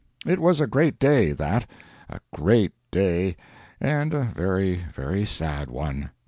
It was a great day, that—a great day, and a very, very sad one.